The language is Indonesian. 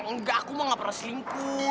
enggak aku mah gak pernah selingkuh